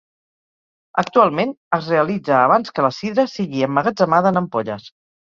Actualment es realitza abans que la sidra sigui emmagatzemada en ampolles.